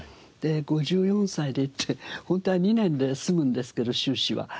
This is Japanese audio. ５４歳で行ってホントは２年で済むんですけど修士は。